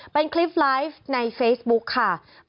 เป็นคลิปไลฟ์ในเฟซบุ๊กค่ะ